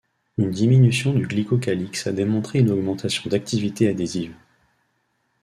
Une diminution du glycocalyx a démontré une augmentation d'activité adhésive.